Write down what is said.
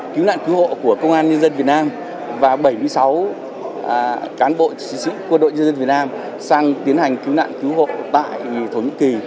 cứu nạn cứu hộ của công an nhân dân việt nam và bảy mươi sáu cán bộ chiến sĩ quân đội nhân dân việt nam sang tiến hành cứu nạn cứu hộ tại thổ nhĩ kỳ